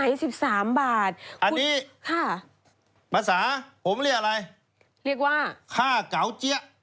อันนี้ภาษาผมเรียกอะไรค่าเก่าเจี้ย